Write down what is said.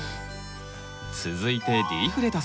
続いてリーフレタス。